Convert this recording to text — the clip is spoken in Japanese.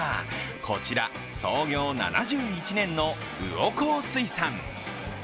こちら、創業７１年の魚幸水産。